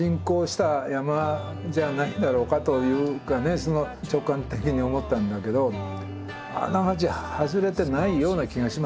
その直感的に思ったんだけどあながち外れてないような気がします。